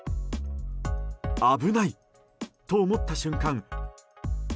危ないと思った瞬間